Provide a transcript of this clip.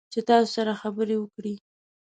چې تاسو سره خبرې وکړي